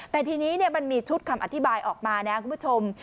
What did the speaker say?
แต่ทีนี้มันมีชุดคำอธิบายออกมานะครับคุณผู้ชม